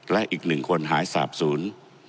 และอีก๑คนหายสาปศูนย์